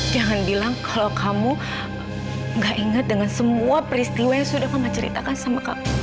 jangan bilang kalau kamu gak ingat dengan semua peristiwa yang sudah kamu ceritakan sama kamu